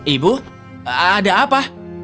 ibu ada apa